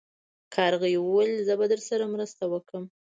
کارغې وویل چې زه به درسره مرسته وکړم.